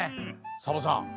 サボさん